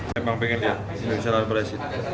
memang pengen ya bisa lari lari di sini